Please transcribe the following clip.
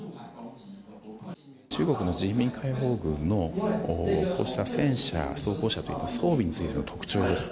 中国の人民解放軍の戦車、装甲車といった装備についての特徴です。